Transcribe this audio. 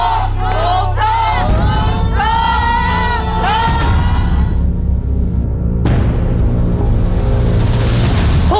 ถูกถูกถูก